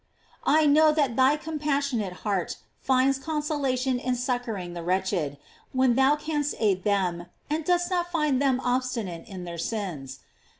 I know that thy compassionate heart finds consolation in succoring the wretched, when thou canst aid them, and dost not find them obstinate in their sins.